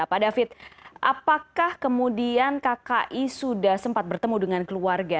pak david apakah kemudian kki sudah sempat bertemu dengan keluarga